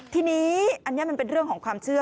ทีนี้อันนี้มันเป็นเรื่องของความเชื่อ